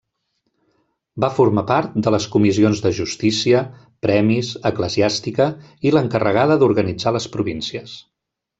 Va formar part de les comissions de justícia, premis, eclesiàstica i l'encarregada d'organitzar les províncies.